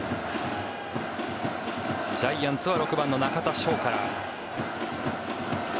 ジャイアンツは６番の中田翔から。